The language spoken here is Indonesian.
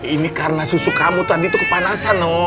ini karena susu kamu tadi itu kepanasan noh